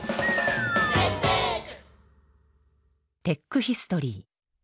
テックヒストリー。